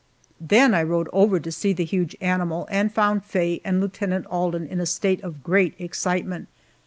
Then I rode over to see the huge animal, and found Faye and Lieutenant Alden in a state of great excitement.